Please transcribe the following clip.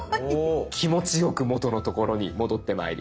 気持ちよく元の所に戻ってまいります。